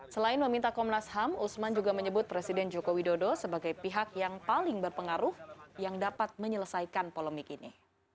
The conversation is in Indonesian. selain meminta komnas ham usman juga menyebut presiden joko widodo sebagai pihak yang paling berpengaruh yang dapat menyelesaikan polemik ini